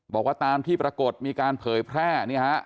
บอกว่าตามที่ปรากฏมีการเผยแพร่